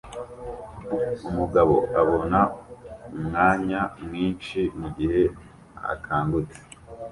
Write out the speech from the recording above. Umugabo abona umwanya mwinshi mugihe akangutse